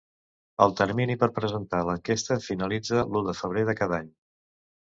El termini per presentar l'enquesta finalitza l'u de febrer de cada any.